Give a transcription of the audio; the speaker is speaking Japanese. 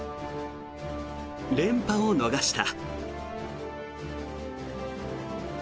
連覇を逃した。